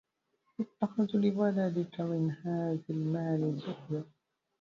اتَّخَذَ لِوَلَدِك مِنْ هَذَا الْمَالِ ذُخْرًا